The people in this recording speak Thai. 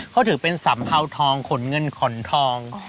เขาถือเป็นสัมเภาทองขนเงินขนทอง